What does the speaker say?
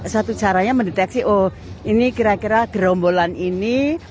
satu caranya mendeteksi oh ini kira kira gerombolan ini